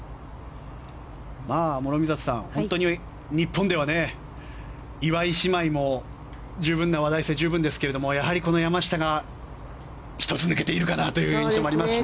諸見里さん、本当に日本では岩井姉妹も話題性十分ですけどやはり山下が１つ抜けている印象もありますね。